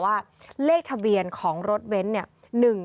ว่าเลขทะเบียนของรถเบนท์เนี่ย